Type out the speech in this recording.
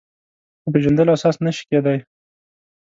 د پېژندلو اساس نه شي کېدای.